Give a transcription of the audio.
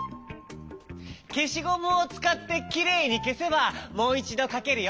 けしゴムをつかってきれいにけせばもういちどかけるよ。